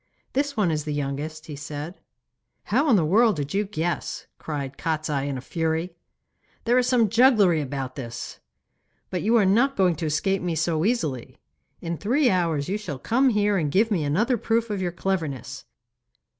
'This one is the youngest,' he said. 'How in the world did you guess?' cried Kostiei in a fury. 'There is some jugglery about it! But you are not going to escape me so easily. In three hours you shall come here and give me another proof of your cleverness.